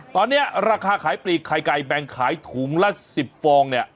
ตอนนี้ราคาขายปลีกไข่ไก่แบ่งขายถุงละ๑๐ฟองเนี่ย